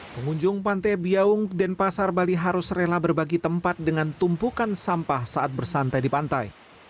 pengunjung pantai biaung denpasar bali harus rela berbagi tempat dengan tumpukan sampah saat bersantai di pantai